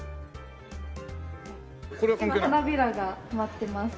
今花びらが舞ってます。